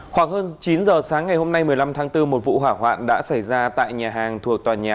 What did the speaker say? khoảng hơn chín giờ sáng ngày hôm nay một mươi năm tháng bốn một vụ hỏa hoạn đã xảy ra tại nhà hàng thuộc tòa nhà